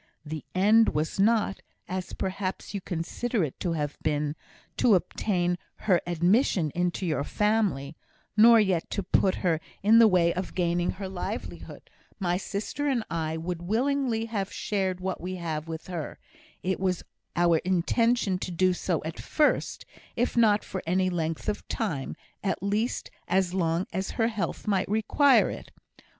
The end was not, as perhaps you consider it to have been, to obtain her admission into your family nor yet to put her in the way of gaining her livelihood; my sister and I would willingly have shared what we have with her; it was our intention to do so at first, if not for any length of time, at least as long as her health might require it.